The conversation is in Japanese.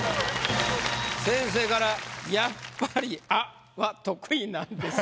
先生から「やっぱり吾は得意なんですね」。